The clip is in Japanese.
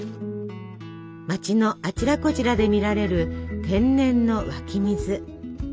町のあちらこちらで見られる天然の湧き水。